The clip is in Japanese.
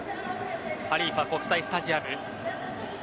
ハリーファ国際スタジアム。